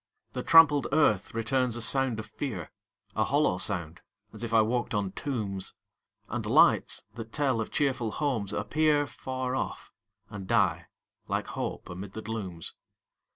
The trampled earth returns a sound of fear A hollow sound, as if I walked on tombs! And lights, that tell of cheerful homes, appear Far off, and die like hope amid the glooms.